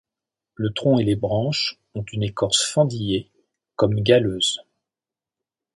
Le tronc et les branches ont une écorce fendillée, comme galeuse.